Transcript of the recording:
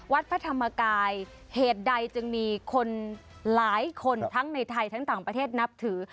วัดพระธรรมกายเหตุใดจึงมีคนหลายคนทั้งในไทยทั้งต่างประเทศนับถือ